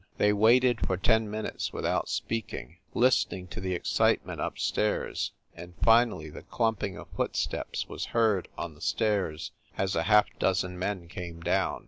They waited for ten minutes without speaking, listening to the excitement up stairs, and finally the clumping of footsteps was heard on the stairs as a half dozen men came down.